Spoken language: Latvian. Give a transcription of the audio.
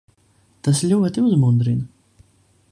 Tas ļoti uzmundrina.